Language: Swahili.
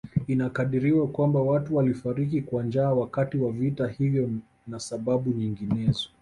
Inakadiriwa kwamba watu walifariki kwa njaa wakati wa vita hivyo na sababu nyinginezo